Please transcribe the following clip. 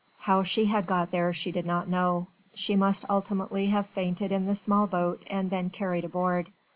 How she had got there she did not know. She must ultimately have fainted in the small boat and been carried aboard.